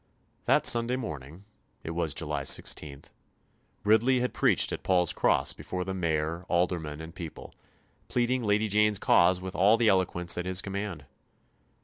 That Sunday morning it was July 16 Ridley had preached at Paul's Cross before the Mayor, Aldermen, and people, pleading Lady Jane's cause with all the eloquence at his command.